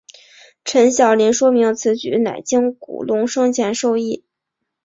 陈晓林说明此举乃经古龙生前授意。